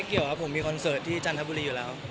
อ๋อไม่เกี่ยวผมมีคอนเสิร์ทที่จันทบุรีอยู่แล้ว